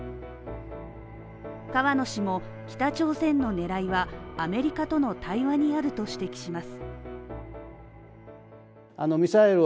河野氏も北朝鮮の狙いは、アメリカとの対話にあると指摘します。